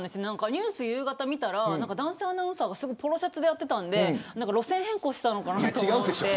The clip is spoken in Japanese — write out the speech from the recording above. ニュースを夕方に見たら男性アナウンサーがポロシャツでやっていたんで路線変更したのかなと思って。